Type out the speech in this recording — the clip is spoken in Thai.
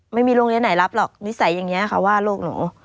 ไม่มีโรงเรียนไหนรับหรอกนิสัยอย่างนี้ค่ะว่าลูกหนู